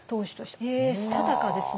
へえしたたかですね。